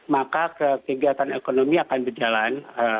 maka kegiatan ekonomi akan berjalan